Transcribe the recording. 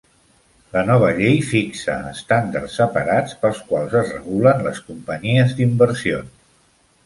La nova llei fixa estàndards separats pels quals es regulen les companyies d'inversions.